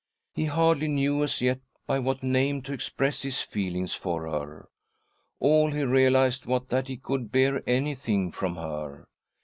He hardly knew as yet by what name to express his feelings for her ; all he realised was that he could bear anything from her.